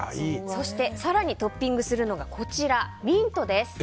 そして更にトッピングするのはミントです。